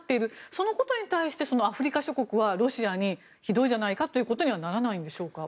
そのことに対してアフリカ諸国はロシアにひどいじゃないかということにはならないんでしょうか。